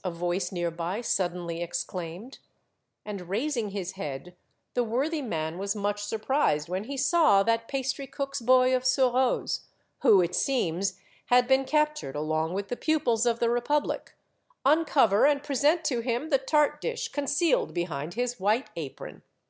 " a voice near by suddenly exclaimed; and raising his head, the worthy man was much surprised when he saw that pastry cook's boy of Bureau's — who, it seems, had been captured along with the pupils of the Republic — uncover and present to The Little Pates, 185 him the tart dish concealed behind his white apron